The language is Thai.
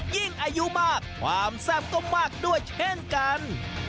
ยิ่งอายุมากความทรัพย์ก็มากด้วยเช่นกัน